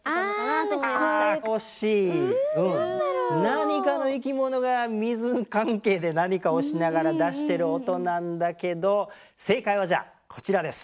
何かの生き物が水関係で何かをしながら出してる音なんだけど正解はじゃあこちらです。